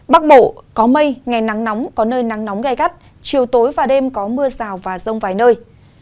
bắc bộ có mây ngày nắng nóng có nơi nắng nóng gai gắt chiều tối và đêm có mưa rào và rông vài nơi